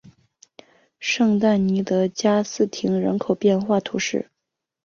圣但尼德加斯廷人口变化图示